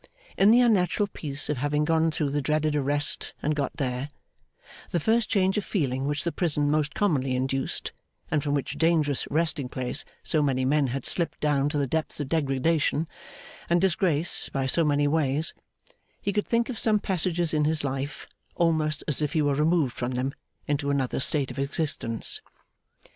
In the unnatural peace of having gone through the dreaded arrest, and got there, the first change of feeling which the prison most commonly induced, and from which dangerous resting place so many men had slipped down to the depths of degradation and disgrace by so many ways, he could think of some passages in his life, almost as if he were removed from them into another state of existence.